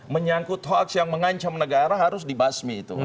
menyangkut hoax yang mengancam negara harus dibasmi itu